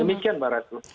demikian mbak ratu